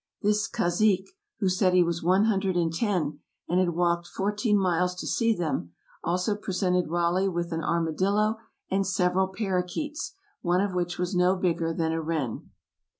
This cazique, 50 TRAVELERS AND EXPLORERS who said he was one hundred and ten, and had walked four teen miles to see them, also presented Raleigh with an arma dillo and several parrakeets, one of which was no bigger than a wren.